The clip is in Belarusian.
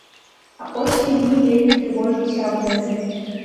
Апошнія дні вельмі трывожыўся аб гэтым.